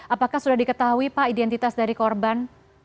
apakah sudah diketahui pak identitas dari korban